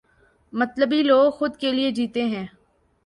مطلبی لوگ خود کے لئے جیتے ہیں۔